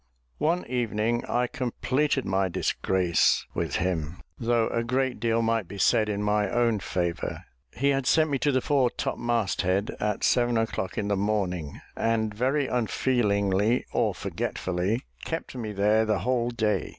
One evening, I completed my disgrace with him, though a great deal might be said in my own favour. He had sent me to the fore topmast head, at seven o'clock in the morning, and very unfeelingly, or forgetfully, kept me there the whole day.